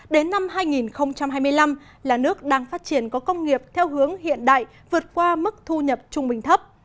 đến năm hai nghìn hai mươi năm là nước đang phát triển có công nghiệp theo hướng hiện đại vượt qua mức thu nhập trung bình thấp